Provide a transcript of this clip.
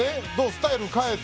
スタイル変えて。